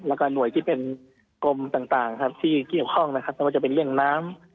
แล้วก็หน่วยที่เป็นกรมต่างครับที่เกี่ยวข้องนะครับไม่ว่าจะเป็นเรื่องน้ำ